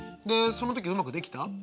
でその時うまくできた？